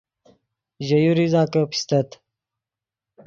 ژے یو ریزہ کہ پیستت